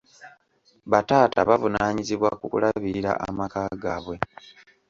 Bataata bavunaanyizibwa ku kulabirira amaka gaabwe.